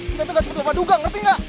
kita tuh nggak terselupa duga ngerti nggak